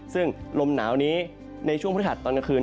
ซึ่งลมหนาวนี้ในช่วงพฤหัสตอนกลางคืน